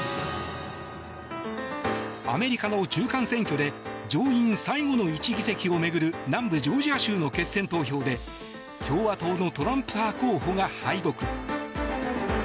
アメリカの中間選挙で上院最後の１議席を巡る南部ジョージア州の決選投票で共和党のトランプ派候補が敗北。